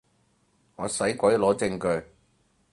我使鬼攞證據